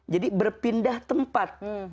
jadi berpindah tempat